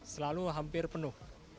selalu hampir penuh